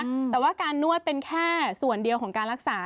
แต่ว่าการนวดเป็นแค่ส่วนเดียวของการรักษา